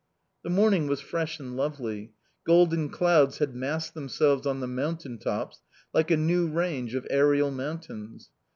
The morning was fresh and lovely. Golden clouds had massed themselves on the mountaintops like a new range of aerial mountains.